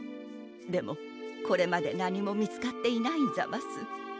でもこれまでなにもみつかっていないんざます。